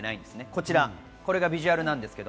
こちらビジュアルです。